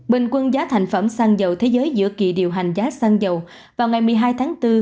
bình quân giá thành phẩm xăng dầu thế giới giữa kỳ điều hành giá xăng dầu vào ngày một mươi hai tháng bốn